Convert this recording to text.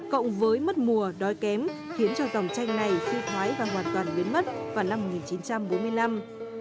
cộng với mất mùa đói kém khiến cho dòng tranh này suy thoái và hoàn toàn biến mất vào năm một nghìn chín trăm bốn mươi năm